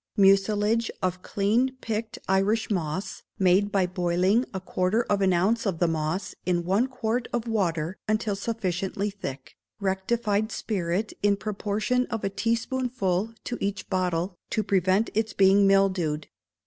Mucilage of clean picked Irish moss, made by boiling a quarter of an ounce of the moss in one quart of water until sufficiently thick, rectified spirit in the proportion of a teaspoonful to each bottle, to prevent its being mildewed.